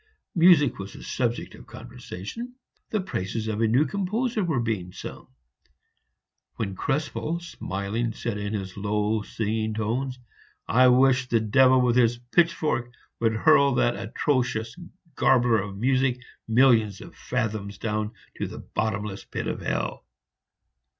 Music was the subject of conversation; the praises of a new composer were being sung, when Krespel, smiling, said in his low, singing tones, "I wish the devil with his pitchfork would hurl that atrocious garbler of music millions of fathoms down to the bottomless pit of hell!"